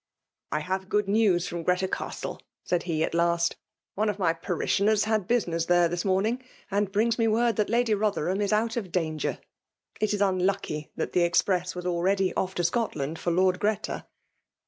" I have good news from Greta Castle/' said he, at last. '' One of my parishioners had business there this morning, and brings me word that Lady Botherham is out of danger. It is unlucky that the express was already off to Scotland for Lord Greta."